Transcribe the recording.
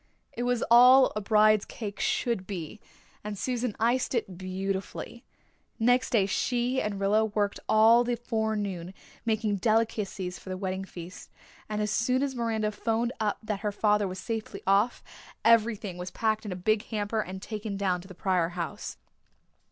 It was all a bride's cake should be, and Susan iced it beautifully. Next day she and Rilla worked all the forenoon, making delicacies for the wedding feast, and as soon as Miranda phoned up that her father was safely off everything was packed in a big hamper and taken down to the Pryor house.